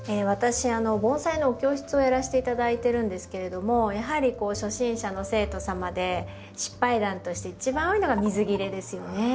私盆栽のお教室をやらせて頂いてるんですけれどもやはり初心者の生徒様で失敗談として一番多いのが水切れですよね。